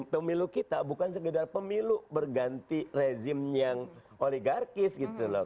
pemilu kita bukan sekedar pemilu berganti rezim yang oligarkis gitu loh